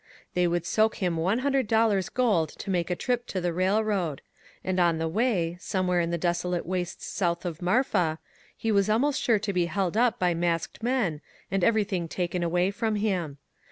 They would soak him one hun dred dollars gold to make a trip to the railroad; and on the way, somewhere in the desolate wastes south of Marfa, he was almost sure to be held up by masked men and everything taken away from him.